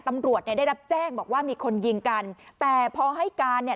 ตำรวจเนี่ยได้รับแจ้งบอกว่ามีคนยิงกันแต่พอให้การเนี่ย